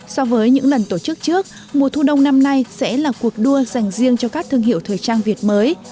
so với những lần tổ chức trước mùa thu đông năm nay sẽ là cuộc đua dành riêng cho các thương hiệu thời trang việt mới